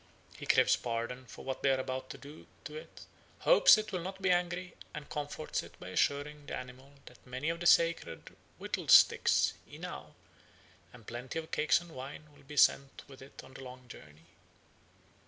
He craves pardon for what they are about to do to it, hopes it will not be angry, and comforts it by assuring the animal that many of the sacred whittled sticks (inao) and plenty of cakes and wine will be sent with it on the long journey.